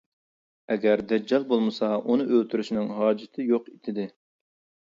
ئەگەر دەججال بولمىسا، ئۇنى ئۆلتۈرۈشنىڭ ھاجىتى يوق-دېدى.